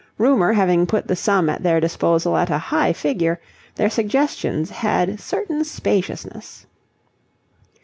Rumour having put the sum at their disposal at a high figure, their suggestions had certain spaciousness.